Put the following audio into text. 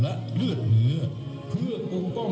สวัสดีครับทุกคน